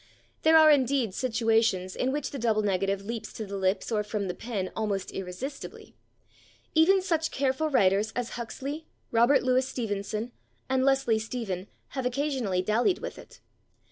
There are, indeed, situations in which the double negative leaps to the lips or from the pen almost irresistibly; even such careful writers as Huxley, Robert Louis Stevenson and Leslie Stephen have [Pg234] occasionally dallied with it.